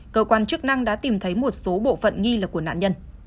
cơ quan chức năng đã tìm thấy một số bộ phận nghi là của nạn nhân